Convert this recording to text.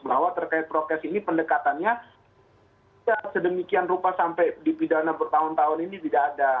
bahwa terkait prokes ini pendekatannya sedemikian rupa sampai dipidana bertahun tahun ini tidak ada